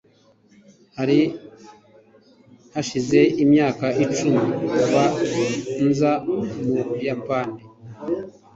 hari hashize imyaka icumi kuva nza mu buyapani